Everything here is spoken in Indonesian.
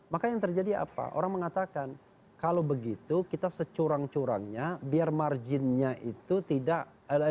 maka yang terjadi apa orang mengatakan kalau begitu kita securang curangnya biar marginnya itu tidak